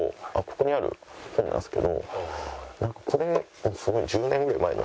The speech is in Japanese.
ここにある本なんですけどこれ。